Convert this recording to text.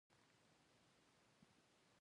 ټرمپ دعوه لري